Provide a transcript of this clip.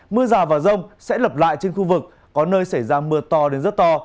mưa rào và rông sẽ lặp lại trên khu vực có nơi xảy ra mưa to đến rất to